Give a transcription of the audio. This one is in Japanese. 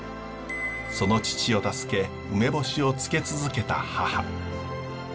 その父を助け梅干しを漬け続けた母。